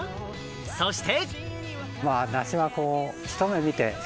そして。